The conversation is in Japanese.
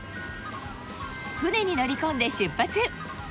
船に乗り込んで出発！